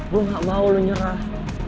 gue gak mau lo nyerah